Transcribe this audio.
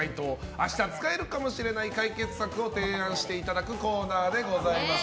明日使えるかもしれない解決策を提案していただくコーナーでございます。